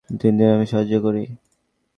দিন, আমি সাহায্য করি।